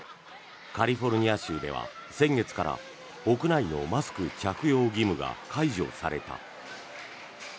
カリフォルニア州では先月から屋内のマスク着用義務が解除された。